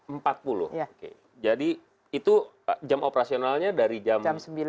empat puluh jadi itu jam operasionalnya dari jam sembilan sampai jam